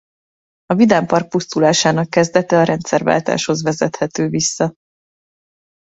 A vidámpark pusztulásának kezdete a rendszerváltáshoz vezethető vissza.